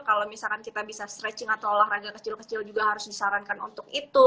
kalau misalkan kita bisa stretching atau olahraga kecil kecil juga harus disarankan untuk itu